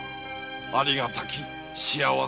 ありがたき幸せ。